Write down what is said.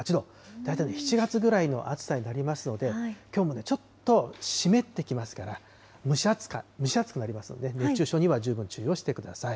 大体７月ぐらいの暑さになりますので、きょうもちょっと湿ってきますから、蒸し暑くなりますので、熱中症には十分注意をしてください。